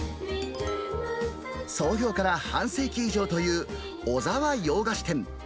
創業から半世紀以上というオザワ洋菓子店。